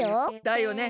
だよね。